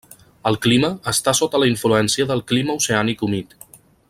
El clima està sota la influència del clima oceànic humit.